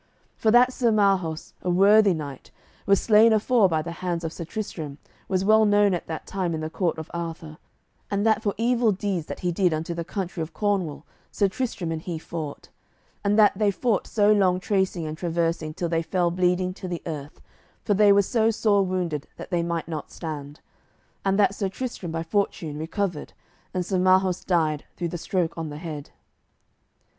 For that Sir Marhaus, a worthy knight, was slain afore by the hands of Sir Tristram was well known at that time in the court of Arthur; and that for evil deeds that he did unto the country of Cornwall Sir Tristram and he fought; and that they fought so long tracing and traversing till they fell bleeding to the earth, for they were so sore wounded that they might not stand; and that Sir Tristram by fortune recovered, and Sir Marhaus died through the stroke on the head.